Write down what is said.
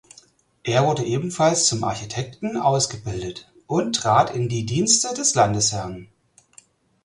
Er wurde ebenfalls zum Architekten ausgebildet und trat in die Dienste des Landesherrn.